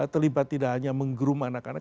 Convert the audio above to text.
terlibat tidak hanya menggerum anak anak